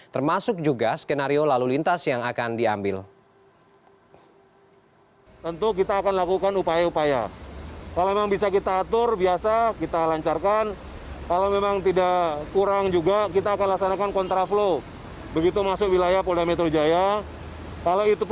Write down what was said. termasuk juga skenario lalu lintas yang akan diambil